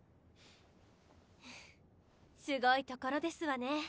すごいところですわね。